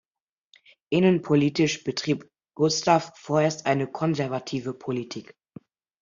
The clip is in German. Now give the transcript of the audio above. Innenpolitisch betrieb Gustav vorerst eine konservative Politik.